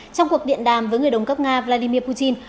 trong cuộc điện đàm với người đồng cấp nga vladimir putin